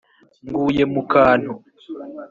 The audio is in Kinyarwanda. nguye mu kantu